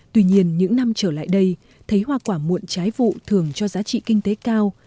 tuy nhiên những năm trở lại đây thấy hoa quả muộn trái vụ thường cho giá trị kinh tế cao